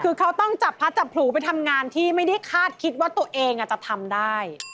คือเขาต้องจับพัดจับผลูไปทำงานที่ไม่ได้คาดคิดว่าตัวเองจะทำได้